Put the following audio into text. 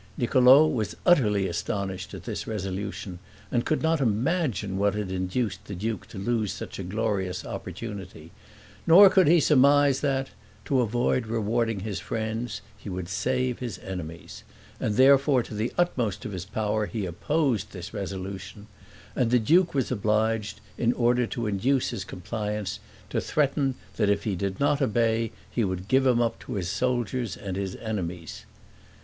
Niccolo was utterly astonished at this resolution, and could not imagine what had induced the duke to lose such a glorious opportunity; nor could he surmise that, to avoid rewarding his friends, he would save his enemies, and therefore to the utmost of his power he opposed this resolution; and the duke was obliged, in order to induce his compliance, to threaten that if he did not obey he would give him up to his soldiers and his enemies.